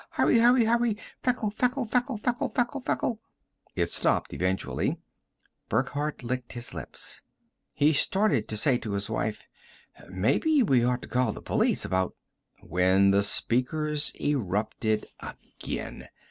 Hurry, hurry, hurry, Feckle, Feckle, Feckle, Feckle, Feckle, Feckle...." It stopped eventually. Burckhardt licked his lips. He started to say to his wife, "Maybe we ought to call the police about " when the speakers erupted again.